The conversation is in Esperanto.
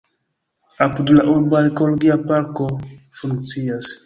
Apud la urbo arkeologia parko funkcias.